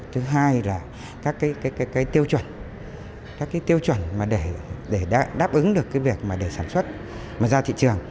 thứ hai là các tiêu chuẩn để đáp ứng được việc sản xuất ra thị trường